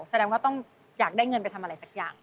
แสดงว่าต้องอยากได้เงินไปทำอะไรสักอย่าง